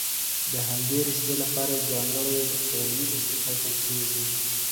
د همدې رشتې لپاره ځانګړي علمي اصول ټاکل کېږي.